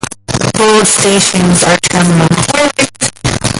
Bold stations are termini.